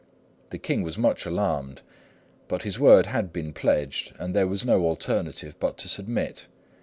The king was much alarmed; but his word had been pledged, and there was no alternative but to submit.